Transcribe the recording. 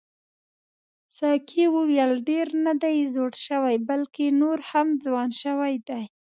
ساقي وویل ډېر نه دی زوړ شوی بلکې نور هم ځوان شوی دی.